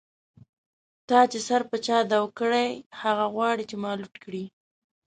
تا چی سر په چا دو کړۍ، هغه غواړی چی ما لوټ کړی